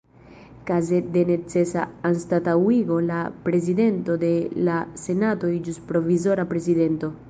Kaze de necesa anstataŭigo la Prezidento de la Senato iĝus Provizora Prezidento.